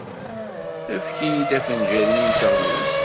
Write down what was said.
Efk-iyi-d afenǧal-nni n teɣlust?